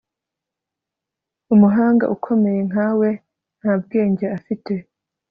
Umuhanga ukomeye nka we nta bwenge afite